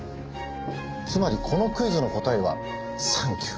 つまりこのクイズの答えは「サンキュー」。